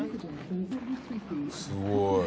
すごい。